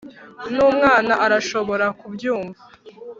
Numwana arashobora kubyumva